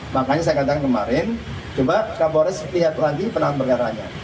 makanya saya katakan kemarin coba kapolres lihat lagi penahan perkaranya